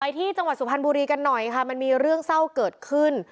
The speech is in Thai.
ที่จังหวัดสุพรรณบุรีกันหน่อยค่ะมันมีเรื่องเศร้าเกิดขึ้น